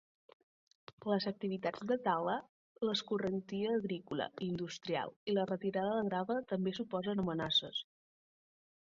Les activitats de tala, l'escorrentia agrícola i industrial i la retirada de grava també suposen amenaces.